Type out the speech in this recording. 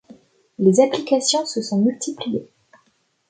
Les applications se sont multipliées.